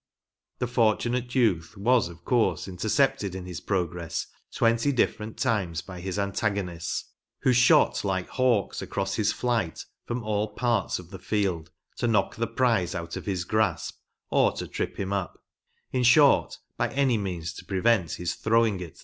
The fortunate youth was, of course, intercepted in his progress twenty different times by his antagonists, who shot like hawks across his flight from all parts of the field, to knock the prize out of his grasp, or to trip him up ‚ÄĒ in short by any means to prevent his throwing it th( THE ORIGINAL GAME.